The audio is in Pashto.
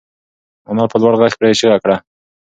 انا په لوړ غږ پرې چیغه کړه.